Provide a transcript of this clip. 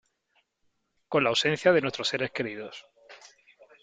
con la ausencia de nuestros seres queridos ,